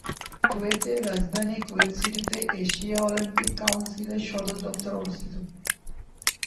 কুয়েতের রাজধানী কুয়েত সিটিতে এশিয়া অলিম্পিক কাউন্সিলের সদর দফতর অবস্থিত।